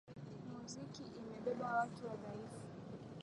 muziki imebeba watu wadhaifu